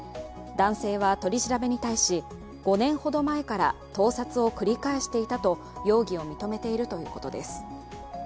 男性は取り調べに対し５年ほど前から盗撮を繰り返していたと容疑を認めているということです。